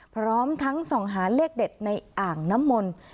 พร้อมทั้งส่องหาเลขเด็ดในอ่างน้ำมนต์